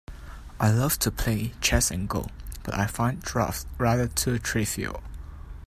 I love to play chess and go, but I find draughts rather too trivial